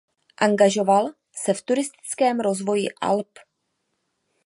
Angažoval se v turistickém rozvoji Alp.